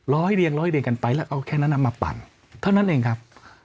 ร้อยเรียงร้อยเรียงกันไปแล้วเอาแค่นั้นมาปั่นเท่านั้นเองครับ